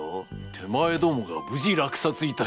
手前どもが無事落札いたしました。